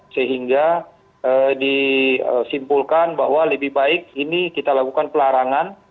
sehingga disimpulkan bahwa lebih baik ini kita lakukan pelarangan